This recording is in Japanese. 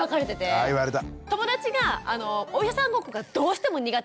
あ言われた。